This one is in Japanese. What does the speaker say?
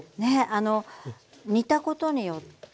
あの煮たことによって。